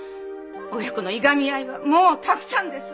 親子のいがみ合いはもうたくさんです！